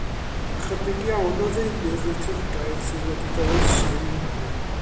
Ychydig iawn o ddeunydd litwrgaidd sydd wedi goroesi yng Nghymru.